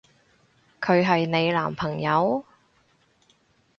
佢係你男朋友？